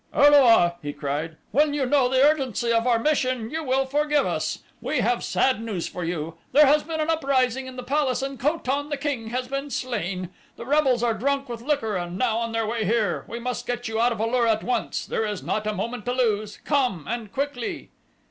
"O lo a," he cried, "when you know the urgency of our mission you will forgive us. We have sad news for you. There has been an uprising in the palace and Ko tan, the king, has been slain. The rebels are drunk with liquor and now on their way here. We must get you out of A lur at once there is not a moment to lose. Come, and quickly!"